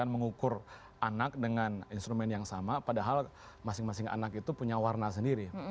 mengukur anak dengan instrumen yang sama padahal masing masing anak itu punya warna sendiri